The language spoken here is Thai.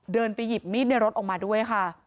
ไปหยิบมีดในรถออกมาด้วยค่ะ